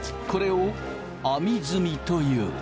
これを網積みという。